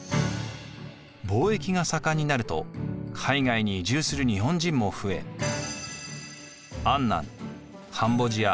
貿易が盛んになると海外に移住する日本人も増え安南カンボジア